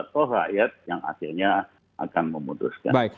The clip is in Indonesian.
toh rakyat yang akhirnya akan memutuskan